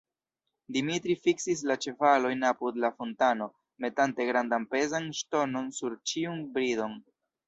Dimitri fiksis la ĉevalojn apud la fontano, metante grandan pezan ŝtonon sur ĉiun bridon.